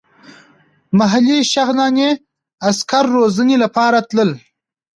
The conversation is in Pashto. محلي شغناني عسکر روزنې لپاره تلل.